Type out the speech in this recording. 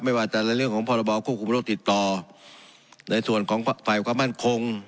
ไม่ว่าจะเรื่องของพรบคุมรถติดต่อในส่วนของฝ่ายประมาณคง